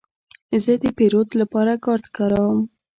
زه د پیرود لپاره کارت کاروم.